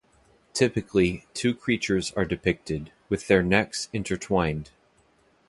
Typically, two creatures are depicted, with their necks intertwined.